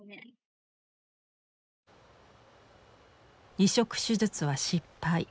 移植手術は失敗。